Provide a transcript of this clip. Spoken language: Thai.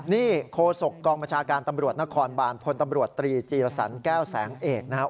นี่โคศกกองบัญชาการตำรวจนครบานพลตำรวจตรีจีรสันแก้วแสงเอกนะครับ